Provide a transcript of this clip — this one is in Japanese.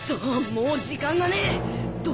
もう時間がねぇ！！